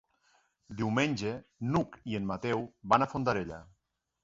Diumenge n'Hug i en Mateu van a Fondarella.